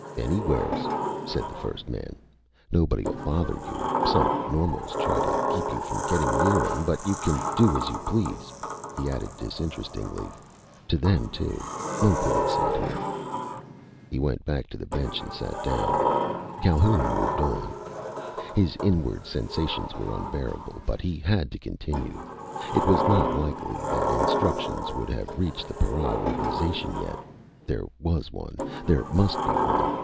"Anywheres," said the first man. "Nobody'll bother you. Some normals try to keep you from getting near'em, but you can do as you please." He added disinterestedly. "To them, too. No police out here!" He went back to the bench and sat down. Calhoun moved on. His inward sensations were unbearable, but he had to continue. It was not likely that instructions would have reached the para organization yet. There was one. There must be one.